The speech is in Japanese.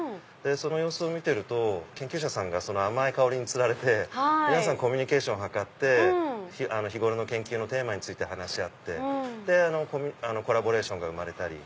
その様子を見てると研究者さんが甘い香りに釣られて皆さんコミュニケーション図って日頃の研究のテーマについて話し合ってコラボレーションが生まれたり。